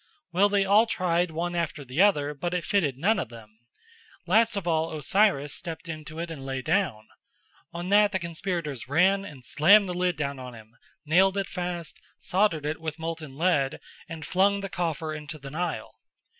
Well, they all tried one after the other, but it fitted none of them. Last of all Osiris stepped into it and lay down. On that the conspirators ran and slammed the lid down on him, nailed it fast, soldered it with molten lead, and flung the coffer into the Nile.